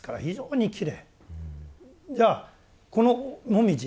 じゃあこの紅葉